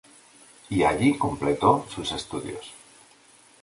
Y allí completó sus estudios.